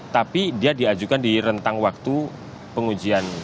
tapi dia diajukan di rentang waktu pengujian